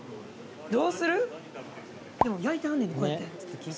焼いてはんねんでこうやって。